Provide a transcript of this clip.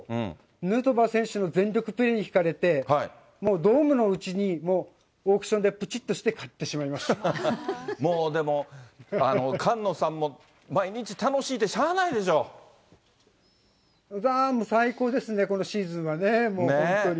ヌートバー選手の全力プレーにひかれて、もうドームのうちにもうオークションでぷちっとして買ってしまいもうでも、菅野さんも毎日、最高ですね、このシーズンはね、本当に。